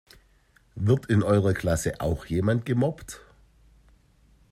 Wird in eurer Klasse auch jemand gemobbt?